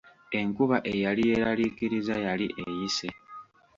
Enkuba eyali yeeraliikiriza yali eyise.